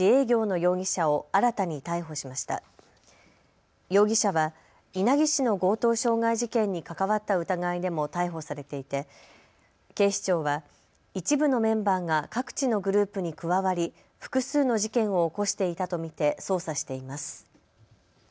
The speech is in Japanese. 容疑者は稲城市の強盗傷害事件に関わった疑いでも逮捕されていて警視庁は一部のメンバーが各地のグループに加わり複数の事件を起こしていたと見て捜査しています。